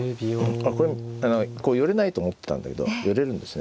これはもうこう寄れないと思ったんだけど寄れるんですね。